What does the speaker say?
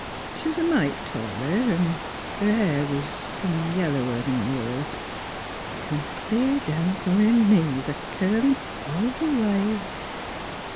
She was a mite taller, an' her hair was — some yellower 'n yours. It come clear down t' her knees, a curlin' all the way.